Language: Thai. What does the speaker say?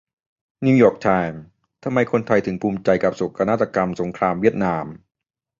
นิวยอร์กไทม์ : ทำไมไทยถึงภูมิใจกับโศกนาฏกรรมสงครามเวียดนาม